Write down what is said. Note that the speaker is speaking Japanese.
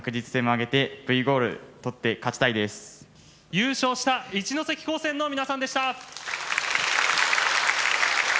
優勝した一関高専の皆さんでした。